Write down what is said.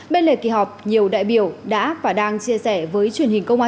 bên lề kỳ họp nhiều đại biểu đã và đang chia sẻ với truyền hình công an